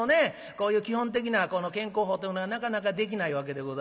こういう基本的なこの健康法というのがなかなかできないわけでございますが。